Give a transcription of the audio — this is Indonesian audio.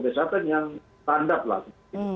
kesehatan yang tanda pelatih